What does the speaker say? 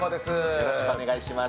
よろしくお願いします。